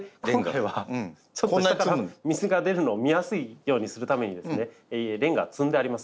で今回はちょっと下から水が出るのを見やすいようにするためにレンガを積んであります。